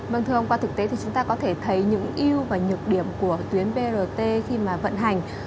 vâng thưa ông qua thực tế thì chúng ta có thể thấy những yêu và nhược điểm của tuyến brt khi mà vận hành